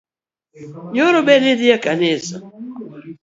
Nyoro be nidhii e kanisa?